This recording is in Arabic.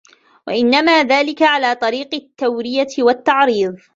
وَإِنَّمَا ذَلِكَ عَلَى طَرِيقِ التَّوْرِيَةِ وَالتَّعْرِيضِ